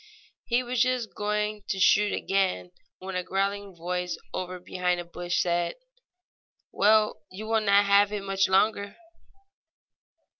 He was just going to shoot again when a growling voice over behind a bush said: "Well, you will not have it much longer."